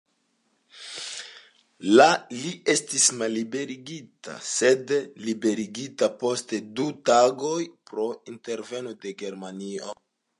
La li estis malliberigita, sed liberigita post du tagoj pro interveno de Germanio.